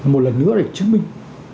một lần nữa để chứng minh